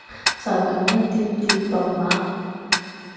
就噉一點點代碼